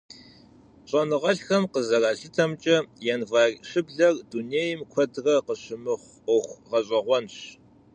ЩӀэныгъэлӀхэм къызэралъытэмкӀэ, январь щыблэр дунейм куэдрэ къыщымыхъу Ӏуэху гъэщӀэгъуэнщ.